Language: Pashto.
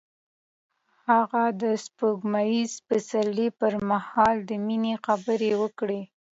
هغه د سپوږمیز پسرلی پر مهال د مینې خبرې وکړې.